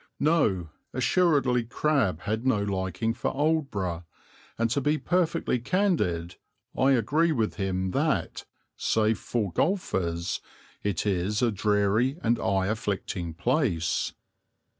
No, assuredly Crabbe had no liking for Aldeburgh, and to be perfectly candid, I agree with him that, save for golfers, it is a dreary and eye afflicting place.